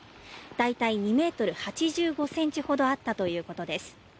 大体、２ｍ８５ｃｍほどあったということです。